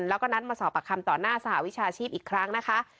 แล้วก็นัดมาสอบปากคำต่อหน้าสหวิชาชีพอีกครั้งนะคะ